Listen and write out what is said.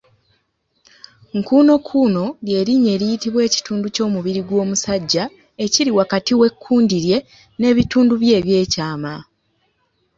Nkuunokuuno ly'erinnya eriyitibwa ekitundu ky’omubiri gw’omusajja ekiri wakati w’ekkundi lye n’ebitundu bye eby’ekyama.